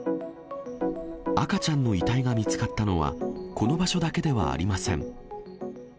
赤ちゃんの遺体が見つかったのは、この場所だけではありません。